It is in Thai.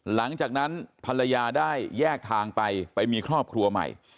หลังจากนั้นภรรยาได้แยกทางไปไปมีครอบครัวใหม่